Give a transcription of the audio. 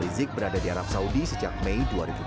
rizik berada di arab saudi sejak mei dua ribu tujuh belas